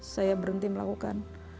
saya berhenti melakukan